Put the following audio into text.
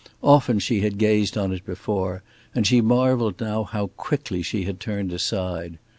Often she had gazed on it before, and she marveled now how quickly she had turned aside.